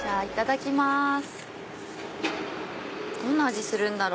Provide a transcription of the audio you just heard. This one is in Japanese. いただきます。